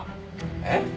えっ？